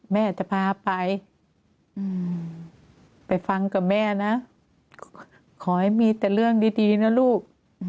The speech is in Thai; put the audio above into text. แม่จะพาไปไปฟังกับแม่นะขอให้มีแต่เรื่องดีนะลูก